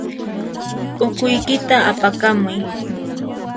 P'ukuykita apakamuy.